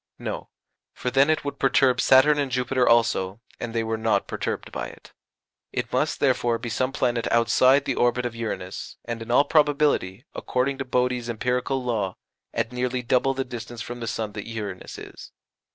No, for then it would perturb Saturn and Jupiter also, and they were not perturbed by it. It must, therefore, be some planet outside the orbit of Uranus, and in all probability, according to Bode's empirical law, at nearly double the distance from the sun that Uranus is.